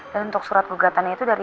dan untuk surat gugatannya itu dari